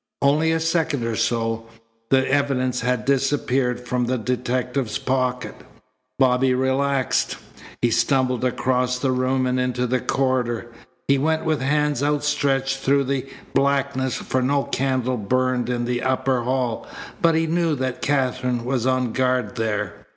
only a second or so the evidence had disappeared from the detective's pocket. Bobby relaxed. He stumbled across the room and into the corridor. He went with hands outstretched through the blackness, for no candle burned in the upper hall, but he knew that Katherine was on guard there.